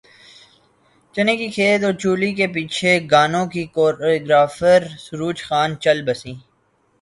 چنے کے کھیت اور چولی کے پیچھے گانوں کی کوریوگرافر سروج خان چل بسیں